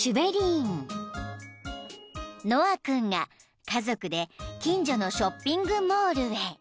［ノア君が家族で近所のショッピングモールへ］